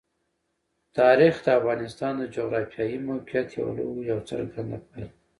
تاریخ د افغانستان د جغرافیایي موقیعت یوه لویه او څرګنده پایله ده.